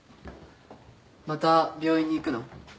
また病院に行くの？